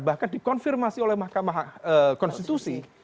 bahkan dikonfirmasi oleh mahkamah konstitusi